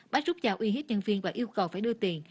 bách rút giao uy hiếp nhân viên và yêu cầu phải đưa tiền